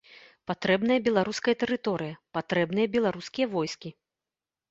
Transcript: Патрэбная беларуская тэрыторыя, патрэбныя беларускія войскі.